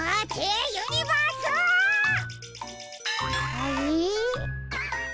あれ？